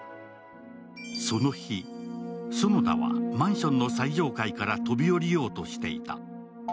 その日、園田はマンションの最上階から飛び降りようとしていた。